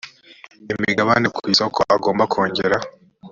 imigabane ku isoko agomba kongera